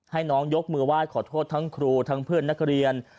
ให้น้องยกมือไหว้ขอโทษทั้งครูทั้งเพื่อนนักเรียน